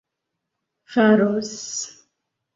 faros